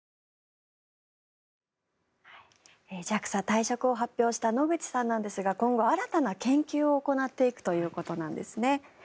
ＪＡＸＡ退職を発表した野口さんなんですが今後、新たな研究を行っていくということなんです。